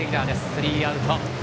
スリーアウト。